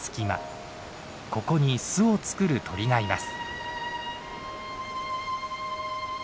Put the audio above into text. ここに巣を作る鳥がいます。